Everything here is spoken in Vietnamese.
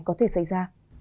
có thể xảy ra